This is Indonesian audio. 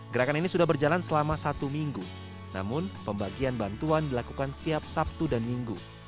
gerakan ini sudah berjalan selama satu minggu namun pembagian bantuan dilakukan setiap sabtu dan minggu